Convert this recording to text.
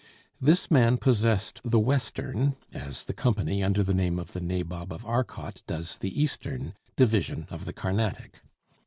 This man possessed the western, as the company under the name of the Nabob of Arcot does the eastern, division of the Carnatic.